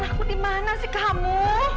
aku dimana sih kamu